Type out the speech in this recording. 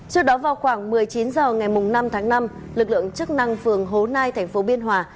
trước đó vào khoảng một mươi chín h ngày năm tháng năm lực lượng chức năng phường hố nai thành phố biên hòa